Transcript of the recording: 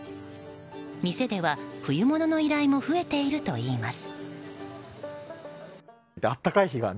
店では冬物の依頼も増えているといいます。